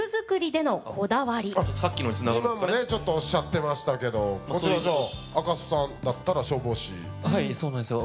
今もねちょっとおっしゃってましたけどこちらじゃ赤楚さんだったら消防士はいそうなんですよ